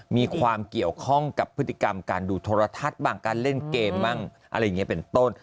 มีความเกี่ยวข้องกับพฤติกรรมการดูโทรทัศน์บ้างการเล่นเกมบ้างอะไรอย่างนี้เป็นต้น